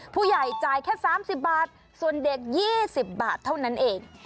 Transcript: ผู้ใหญ่จ่ายแค่๓๐บาทส่วนเด็ก๒๐บาทเท่านั้นเอง